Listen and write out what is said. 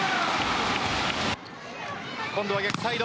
今度は逆サイド。